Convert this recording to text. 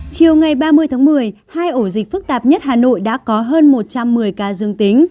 chiều ngày ba mươi tháng một mươi hai ổ dịch phức tạp nhất hà nội đã có hơn một trăm một mươi ca dương tính